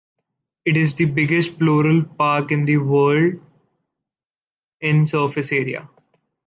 It is the biggest floral park in the world in surface area.